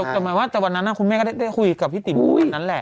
แต่วันนั้นคุณแม่ก็ได้คุยกับพี่ติ่มอีกนานแหละ